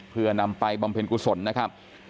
เพื่อนำไปบำเพ็ญกุศลนะครับ